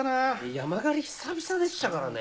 山狩り久々でしたからね。